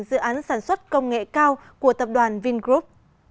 dự án sản xuất công nghệ cao của tập đoàn vingroup